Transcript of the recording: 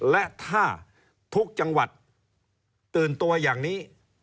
และถ้าทุกจังหวัดตื่นตัวอย่างนี้